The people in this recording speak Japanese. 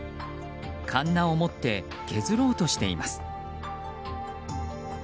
かんなを持って削ろうとしています。